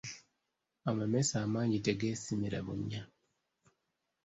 Amamese amangi tegeesimira bunnya.